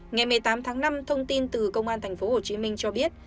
ngày một mươi tám tháng năm thông tin từ công an tp hcm cho biết